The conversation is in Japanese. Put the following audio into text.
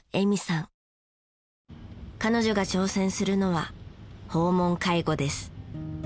彼女が挑戦するのは訪問介護です。